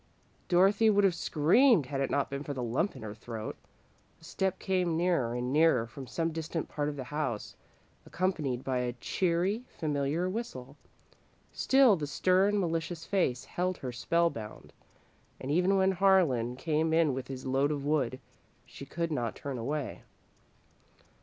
Dorothy would have screamed, had it not been for the lump in her throat. A step came nearer and nearer, from some distant part of the house, accompanied by a cheery, familiar whistle. Still the stern, malicious face held her spellbound, and even when Harlan came in with his load of wood, she could not turn away.